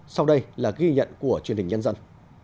sau đây là ghi nhận của truyền hình nhân dân